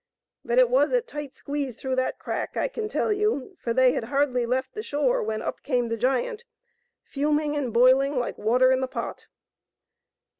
But it was a tight squeeze through that crack, I can tell you, for they had hardly left the shore when up came the giant, fuming and boiling like water in the pot.